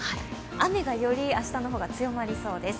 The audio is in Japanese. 雨がより明日の方が強まりそうです。